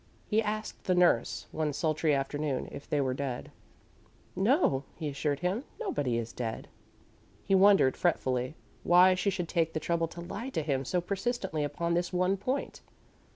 He asked the nurse one sultry afternoon if they were dead. "No," she assured him; "nobody is dead." He wondered, fretfully, why she should take the trouble to lie to him so persistently upon this one point.